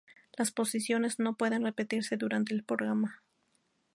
Las posiciones no pueden repetirse durante el programa.